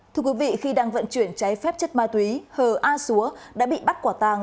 thưa quý vị khi đang vận chuyển cháy phép chất ma túy hờ a xúa đã bị bắt quả tàng